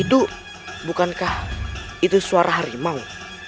aduh bukankah itu suara harimau